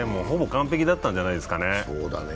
ほぼ完璧だったんじゃないですかね。